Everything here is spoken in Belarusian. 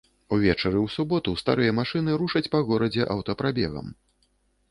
Увечары ў суботу старыя машыны рушаць па горадзе аўтапрабегам.